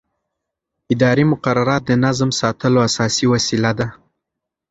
اداري مقررات د نظم ساتلو اساسي وسیله ده.